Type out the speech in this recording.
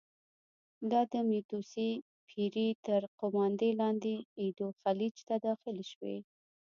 دا د متیو سي پیري تر قوماندې لاندې ایدو خلیج ته داخلې شوې.